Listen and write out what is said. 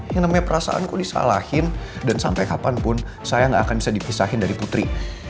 yang namanya perasaanku disalahin dan sampai kapanpun saya gak akan bisa dipisahin dari putri